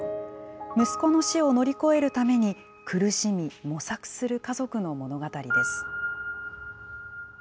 息子の死を乗り越えるために、苦しみ、模索する家族の物語です。